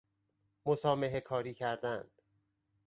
مسامحه کاری کردن